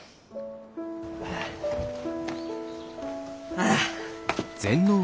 ああ。